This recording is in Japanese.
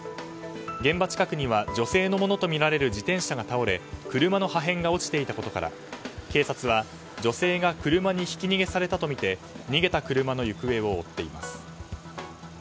現場近くには女性のものとみられる自転車が倒れ車の破片が落ちていたことから警察は女性が車にひき逃げされたとみて逃げた車の行方を追っています。